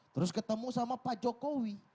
terus ketemu sama pak jokowi